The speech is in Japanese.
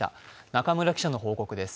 中村記者の報告です。